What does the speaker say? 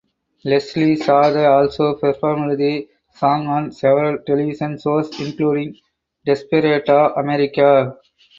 Leslie Shaw also performed the song on several television shows including Despierta America.